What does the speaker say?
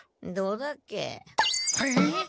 どうだっけ？